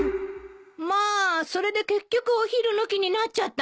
まあそれで結局お昼抜きになっちゃったの？